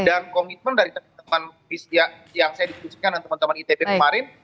dan komitmen dari teman teman yang saya dipunyikan dan teman teman itb kemarin